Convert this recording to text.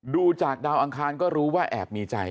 ดูจากดาวอังคารก็รู้ว่าแอบมีใจ